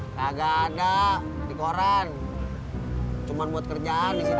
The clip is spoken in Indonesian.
kagak ada di koran cuman buat kerjaan di situ